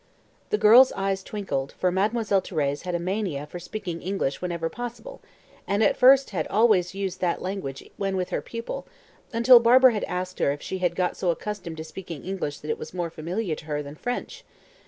The girl's eyes twinkled, for Mademoiselle Thérèse had a mania for speaking English whenever possible, and at first always used that language when with her pupil, until Barbara had asked her if she had got so accustomed to speaking English that it was more familiar to her than French!